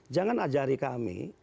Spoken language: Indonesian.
jangan ajari kami